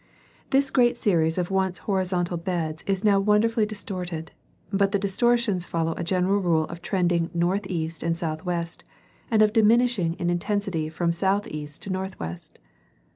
— This great series of once horizontal beds is now wonderfully distorted ; but the distortions follow a general rule of trending northeast and southwest, and of diminishing in intensity from southeast to northwest.